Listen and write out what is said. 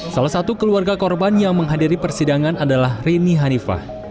salah satu keluarga korban yang menghadiri persidangan adalah rini hanifah